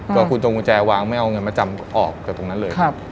ก็คุณตรงกุญแจวางไม่เอาเงินมาจำออกจากตรงนั้นเลย